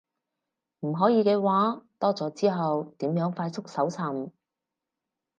唔可以嘅話，多咗之後點樣快速搜尋